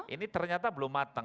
ini ternyata belum matang